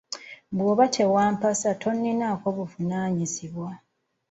Bw'oba tewampasa tonninaako buvunaanyizibwa.